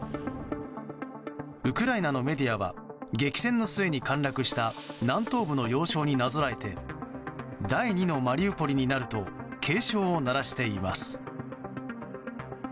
ウクライナのメディアは激戦の末に陥落した南東部の要衝になぞらえて第２のマリウポリになると警鐘を鳴らしています。